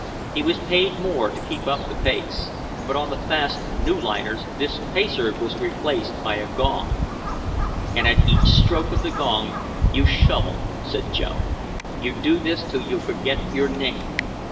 He was paid more to keep up the pace. But on the fast new liners this pacer was replaced by a gong. "And at each stroke of the gong you shovel," said Joe. "You do this till you forget your name.